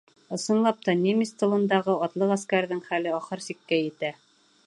Ысынлап та, немец тылындағы атлы ғәскәрҙең хәле ахыр сиккә етә.